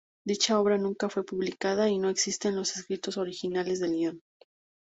Dicha obra nunca fue publicada y no existen los escritos originales del guion.